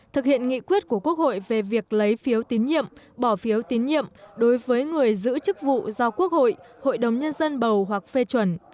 thực hiện nghị quyết của quốc hội về việc lấy phiếu tín nhiệm bỏ phiếu tín nhiệm đối với người giữ chức vụ do quốc hội hội đồng nhân dân bầu hoặc phê chuẩn